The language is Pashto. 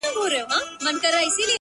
خداى دي له بدوسترگو وساته تل!